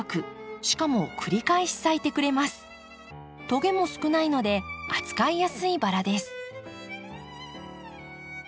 トゲも少ないので扱いやすいバラです。